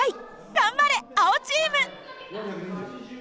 頑張れ青チーム！